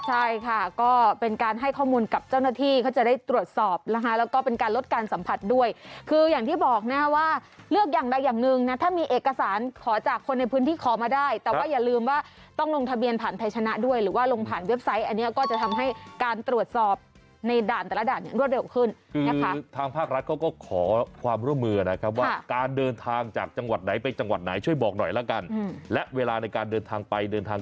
ใช่ค่ะก็เป็นการให้ข้อมูลกับเจ้าหน้าที่เขาจะได้ตรวจสอบแล้วก็เป็นการลดการสัมผัสด้วยคืออย่างที่บอกนะว่าเลือกอย่างแบบอย่างหนึ่งนะถ้ามีเอกสารขอจากคนในพื้นที่ขอมาได้แต่ว่าอย่าลืมว่าต้องลงทะเบียนผ่านไทยชนะด้วยหรือว่าลงผ่านเว็บไซต์อันนี้ก็จะทำให้การตรวจสอบในด่านแต่ละด่านรวดเร็วขึ้น